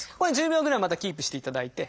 １０秒ぐらいまたキープしていただいて。